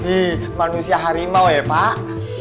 di manusia harimau ya pak